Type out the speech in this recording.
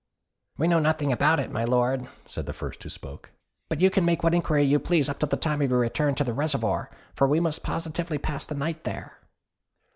"We know nothing about it, my Lord," said the first who spoke; "but you can make what inquiry you please up to the time of our return to the reservoir, for we must positively pass the night there."